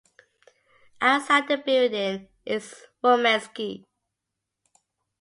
Outside the building is Romanesque.